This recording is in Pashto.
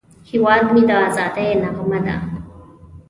هیواد مې د ازادۍ نغمه ده